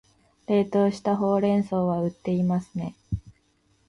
冷凍したほうれん草は売っていますね